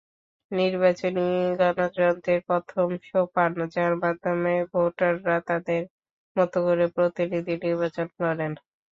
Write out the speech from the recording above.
নির্বাচনই গণতন্ত্রের প্রথম সোপান, যার মাধ্যমে ভোটাররা তাঁদের মতো করে প্রতিনিধি নির্বাচন করেন।